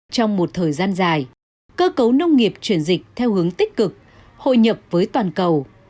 trong một thời gian dài cơ cấu nông nghiệp chuyển dịch theo hướng tích cực hội nhập với toàn cầu